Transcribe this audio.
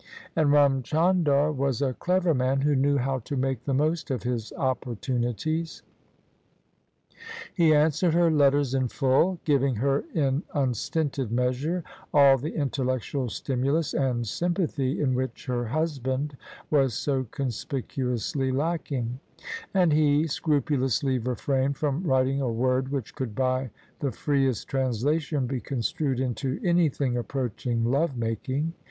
And Ram Chan [ 228 ] OF ISABEL CARNABY dar was a clever man, who knew how to make the most of his opportunities. He answered her letters in full, giving her in unstinted measure all the intellectual stimulus and sympathy in which her husband was so conspicuously lack ing: and he scrupulously refrained from writing a word which could by the freest translation be construed into any thing approaching love making.